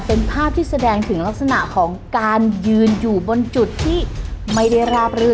เป็นภาพที่แสดงถึงลักษณะของการยืนอยู่บนจุดที่ไม่ได้ราบรื่น